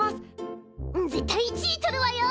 絶対１位取るわよ！